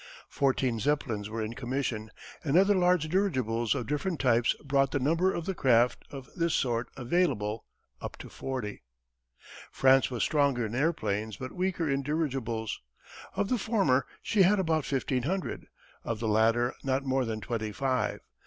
Fourteen Zeppelins were in commission, and other large dirigibles of different types brought the number of the craft of this sort available up to forty. [Illustration: Wright Airplane in Flight.] France was stronger in airplanes but weaker in dirigibles. Of the former she had about 1500; of the latter not more than twenty five.